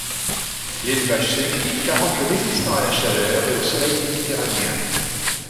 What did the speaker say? L'élevage sélectif l'a rendu résistant à la chaleur et au soleil méditerranéen.